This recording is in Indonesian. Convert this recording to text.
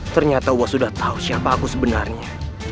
ternyata wah sudah tahu siapa aku sebenarnya